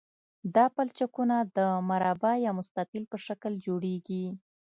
دا پلچکونه د مربع یا مستطیل په شکل جوړیږي